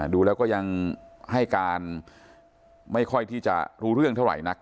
ดูแล้วก็ยังให้การไม่ค่อยที่จะรู้เรื่องเท่าไหร่นัก